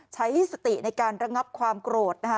ใช้สติในการระงับความโกรธนะคะ